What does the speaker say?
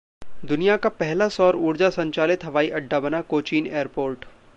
दुनिया का पहला सौर ऊर्जा संचालित हवाईअड्डा बना कोचीन एयरपोर्ट